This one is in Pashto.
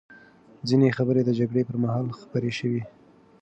ځینې خبرې د جګړې پر مهال خپرې شوې.